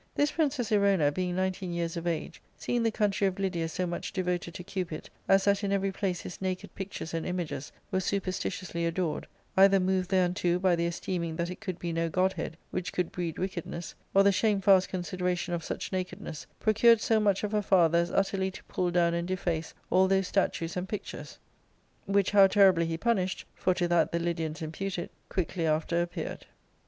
This princess Erona, being nineteen years of age, seeing the country of Lydia so much devoted to Cupid as that m everyplace his naked pictures and images were superstitiously adored, either moved thereunto by the esteeming that it could be fto god head which could breed wickedness, or the shamefast con sideration of suchjiakedness, procured so much of her father as utterly to pull down and deface all those statues and pictures t Which how terribly he punished — for to that the Lydians impute it — quickly after appeared.